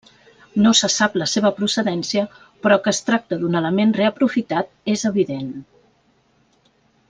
No se sap la seva procedència però que es tracta d’un element reaprofitat és evident.